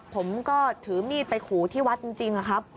ผมก็ถือมีดไปครูที่วัดจริง